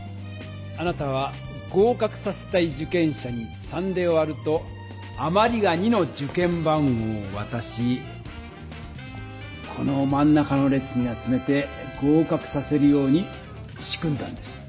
あなたは合かくさせたい受験者に３で割るとあまりが２の受験番号をわたしこのまん中の列に集めて合かくさせるように仕組んだんです。